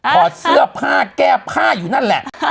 ถอดเสื้อผ้าแก้ผ้าอยู่นั่นแหละ